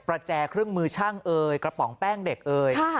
แจเครื่องมือช่างเอ่ยกระป๋องแป้งเด็กเอ่ย